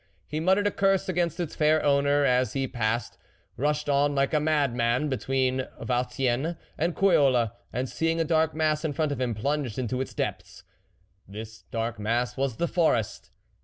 He muttered a curse against its fair owner as he passed, rushed on like a madman between Vauciennes and Croyolles, and seeing a dark mass in front of him, plunged into its depths. This dark mass was the forest.